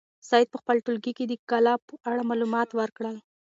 سعید په خپل ټولګي کې د کلا په اړه معلومات ورکړل.